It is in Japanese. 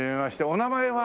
お名前は？